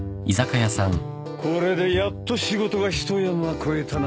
これでやっと仕事が一山越えたな。